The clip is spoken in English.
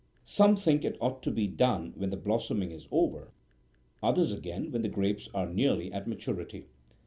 Some think it ought to be done when the blossoming is over, others, again, when the grapes are nearly at maturity.